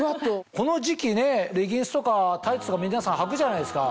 この時期ねレギンスとかタイツとか皆さんはくじゃないですか。